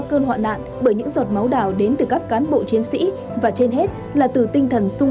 cơn hoạn nạn bởi những giọt máu đào đến từ các cán bộ chiến sĩ và trên hết là từ tinh thần sung